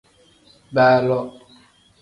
Baaloo.